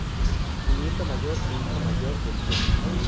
Su nieto mayor e hijo mayor del Gen.